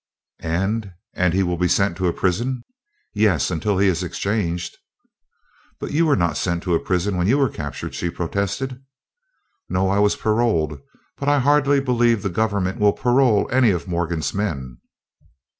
"And—and he will be sent to prison?" "Yes, until he is exchanged." "But you were not sent to prison when you were captured," she protested. "No, I was paroled; but I hardly believe the government will parole any of Morgan's men."